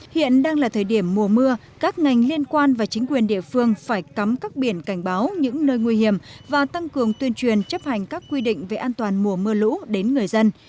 hiện đang là thời điểm mùa mưa các ngành liên quan và chính quyền địa phương phải cắm các biển cảnh báo những nơi nguy hiểm và tăng cường tuyên truyền chấp hành các quy định về an toàn mùa mưa lũ đến người dân